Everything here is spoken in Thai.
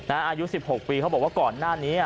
อายุ๑๖ปีเขาบอกว่าก่อนหน้านี้